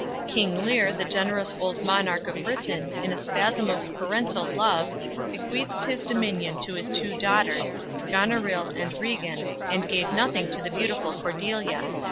"_ King Lear, the generous old monarch of Britain, in a spasm of parental love, bequeathes his dominion to his two daughters, Goneril and Regan, and gave nothing to the beautiful Cordelia.